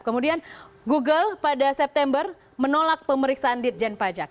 kemudian google pada september menolak pemeriksaan ditjen pajak